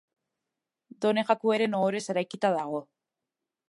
Done Jakueren ohorez eraikita dago.